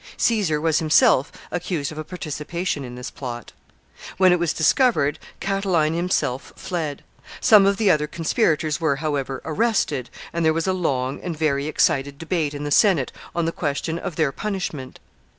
Caesar was himself accused of a participation in this plot. When it was discovered, Catiline himself fled; some of the other conspirators were, however, arrested, and there was a long and very excited debate in the Senate on the question of their punishment.